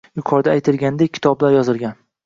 yuqorida aytilganidek, kitoblar yozilgan.